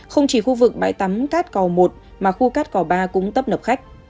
không chỉ khu vực bãi tắm cát cò một mà khu cát cò ba cũng tấp nập khách